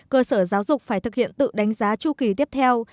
cơ sở giáo dục phải thực hiện tự đánh giá chu kỳ tiếp theo